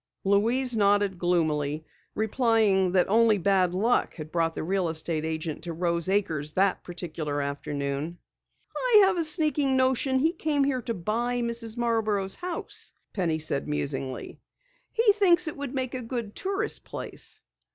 Louise nodded gloomily, replying that only bad luck had brought the real estate agent to Rose Acres that particular afternoon. "I have a sneaking notion he came here to buy Mrs. Marborough's house," Penny said musingly. "He thinks it would make a good tourist place!"